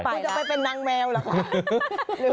ไปเป็นนางแมวเหรอคะ